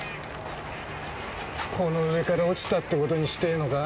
この上から落ちたって事にしてえのか？